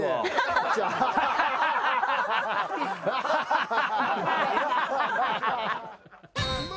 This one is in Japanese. ハハハハ。